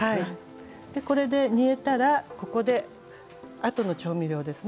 これで煮えたら、ここであとの調味料です。